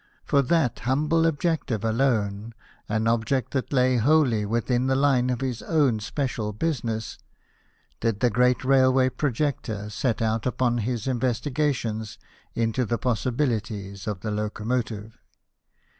For that humble object alone an object that lay wholly within the line of his own special business did the great railway projector set out upon his investigations into the possibilities of the locomotive.